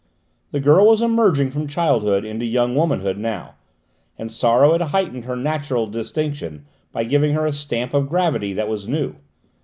The girl was emerging from childhood into young womanhood now, and sorrow had heightened her natural distinction by giving her a stamp of gravity that was new.